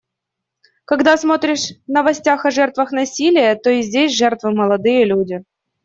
Когда смотришь в новостях о жертвах насилия, то и здесь жертвы — молодые люди.